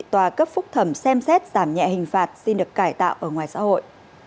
tòa cấp phúc thẩm xem xét giảm nhẹ hình phạt xin được cải tạo ở ngoài xã hội